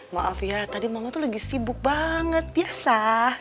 maaf ya tadi mama tuh lagi sibuk banget biasa